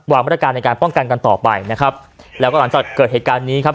มาตรการในการป้องกันกันต่อไปนะครับแล้วก็หลังจากเกิดเหตุการณ์นี้ครับ